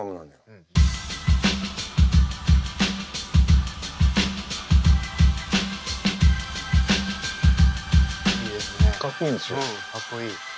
うんかっこいい。